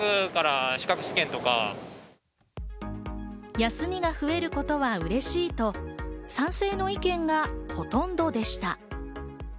休みが増えることはうれしいと賛成の意見がほとんどでした。